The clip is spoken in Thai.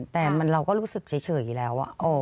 แต่เราก็รู้สึกเฉยแล้ว